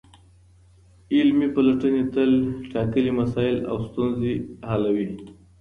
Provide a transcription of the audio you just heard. علمي پلټني تل ټاکلي مسایل او ستونزي حل کوي.